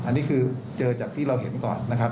อันนี้คือเจอจากที่เราเห็นก่อนนะครับ